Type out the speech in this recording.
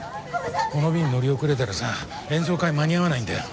この便乗り遅れたらさ演奏会間に合わないんだよ。